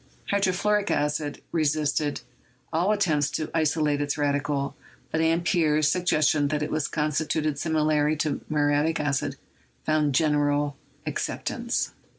Hydrofluoric acid re sisted all attempts to isolate its radical, but Ampere's sug gestion that it was constituted similarly to muriatic acid found general acceptance.